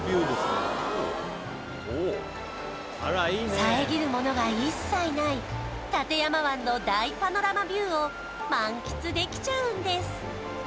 遮るものが一切ない館山湾の大パノラマビューを満喫できちゃうんです